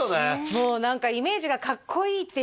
もう何かイメージがかっこいいっていうね